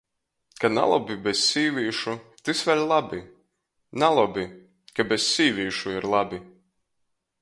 Ka nalobi bez sīvīšu, tys vēļ labi. Nalobi, ka bez sīvīšu ir labi.